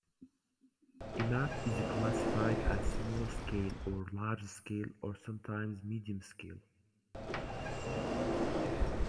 A map is classified as small scale or large scale or sometimes medium scale.